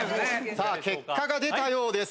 さぁ結果が出たようです。